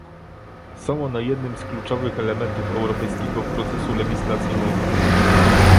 Są one jednym z kluczowych elementów europejskiego procesu legislacyjnego